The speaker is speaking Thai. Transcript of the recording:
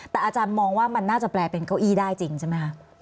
แต่อาจารย์มองว่ามันน่าจะแปลเป็นเก้าอี้ได้จริงใช่ไหมคะ